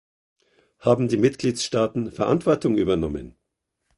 Haben die Mitgliedstaaten Verantwortung übernommen?